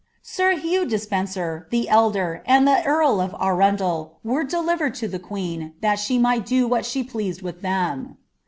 Sir Hugh Despencer, the ddrt, and the earl of Arundel, were delivered to the queen, that she might Jo what she pleased with them.